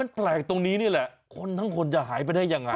มันแปลกตรงนี้นี่แหละคนทั้งคนจะหายไปได้ยังไง